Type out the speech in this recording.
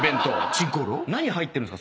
何入ってるんすか？